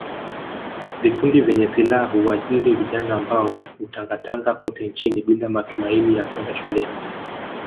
Vikundi vyenye silaha huajiri vijana ambao hutangatanga kote nchini bila matumaini ya kwenda shule